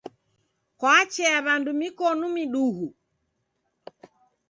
Kwachea w'andu mikonu miduhu?